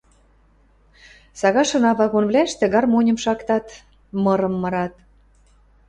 Сагашына вагонвлӓштӹ гармоньым шактат, мырым мырат.